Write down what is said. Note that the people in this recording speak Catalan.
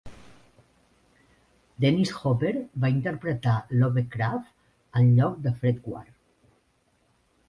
Dennis Hopper va interpretar Lovecraft en lloc de Fred Ward.